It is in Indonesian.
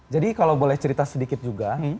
jadi kalau boleh cerita sedikit juga